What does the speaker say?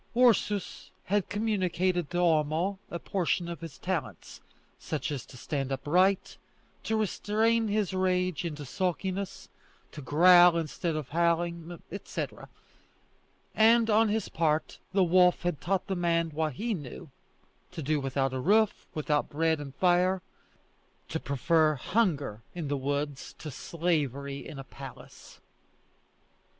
Ursus had communicated to Homo a portion of his talents: such as to stand upright, to restrain his rage into sulkiness, to growl instead of howling, etc.; and on his part, the wolf had taught the man what he knew to do without a roof, without bread and fire, to prefer hunger in the woods to slavery in a palace.